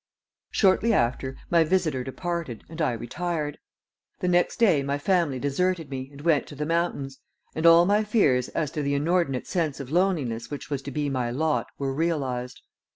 Shortly after my visitor departed and I retired. The next day my family deserted me and went to the mountains, and all my fears as to the inordinate sense of loneliness which was to be my lot were realized.